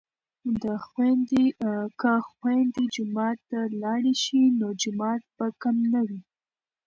که خویندې جومات ته لاړې شي نو جماعت به کم نه وي.